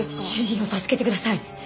主人を助けてください！